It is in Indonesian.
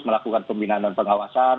melakukan pembinaan dan pengawasan